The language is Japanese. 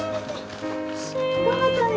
頑張ったね！